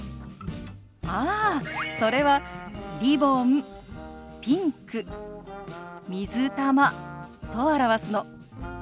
ああそれは「リボン」「ピンク」「水玉」と表すの。